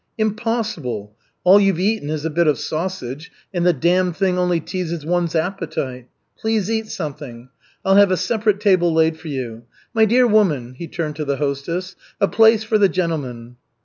"Impossible. All you've eaten is a bit of sausage, and the damned thing only teases one's appetite. Please eat something. I'll have a separate table laid for you. My dear woman," he turned to the hostess, "a place for the gentleman."